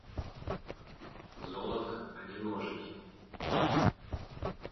Золата, а не ножыкі.